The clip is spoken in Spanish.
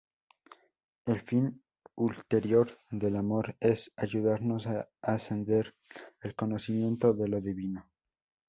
El fin ulterior del amor es ayudarnos a ascender al conocimiento de lo divino.